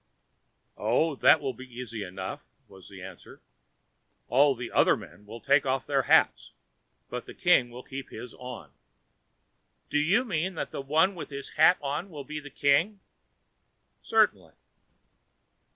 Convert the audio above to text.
"Oh, that will be easy enough," was the answer. "All the other men will take off their hats, but the king will keep his on." "Do you mean that the one with his hat on will be the king?" "Certainly."